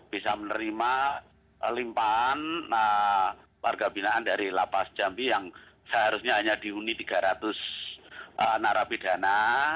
bisa menerima limpaan warga binaan dari lapas jambi yang seharusnya hanya dihuni tiga ratus narapidana